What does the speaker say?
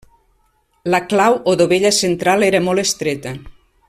La clau o dovella central era molt estreta.